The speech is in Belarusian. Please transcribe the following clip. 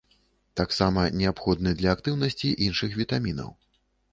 Таксама неабходны для актыўнасці іншых вітамінаў.